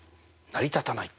「成りたたない！」。